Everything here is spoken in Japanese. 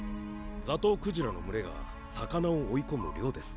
ザトウクジラの群れが魚を追い込む漁です。